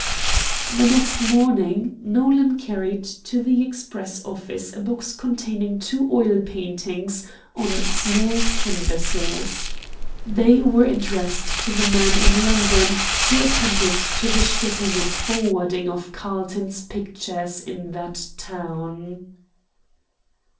The next morning Nolan carried to the express office a box containing two oil paintings on small canvases. They were addressed to the man in London who attended to the shipping and forwarding of Carlton's pictures in that town.